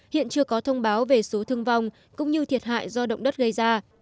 hiện chưa có thông báo về số thương vong cũng như thiệt hại do động đất gây ra